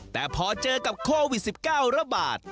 แต่พอเจอกับโควิด๑๙ระบาด